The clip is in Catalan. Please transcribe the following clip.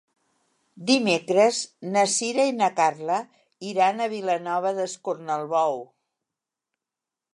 Dimecres na Sira i na Carla iran a Vilanova d'Escornalbou.